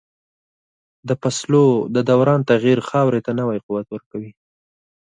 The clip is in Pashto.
د فصلو د دوران تغییر خاورې ته نوی قوت ورکوي.